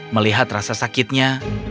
melihat rasa sakitnya